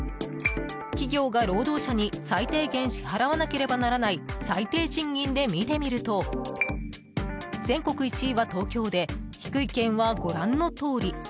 企業が労働者に最低限支払わなければならない最低賃金で見てみると全国１位は東京で低い県はご覧のとおり。